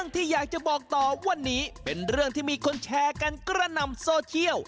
ที่อยากจะบอกต่อวันนี้เป็นเรื่องที่มีคนแชร์กันกระหน่ำโซเชียล